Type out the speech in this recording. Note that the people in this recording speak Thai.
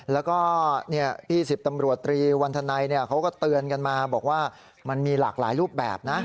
แล้วก็๒๐ตำรวจตรีวันธนัยเขาก็เตือนกันมาบอกว่ามันมีหลากหลายรูปแบบนะ